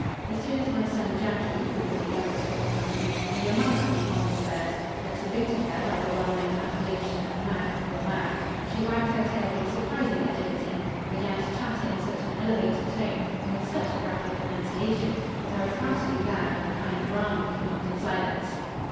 As soon as my son Jacky who was the youngest of the company, and remarkably fond of birds, had saluted her by the well known appellation of mag, poor mag; she wagged her tail with surprising agility, and began to chatter in such an elevated tone, and with such a rapid pronunciation, that I was heartily glad when the kind Bramin commanded silence.